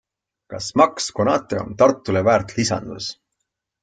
Kas Maks Konate on Tartule väärt lisandus?